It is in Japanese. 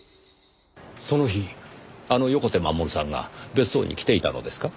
その日あの横手護さんが別荘に来ていたのですか？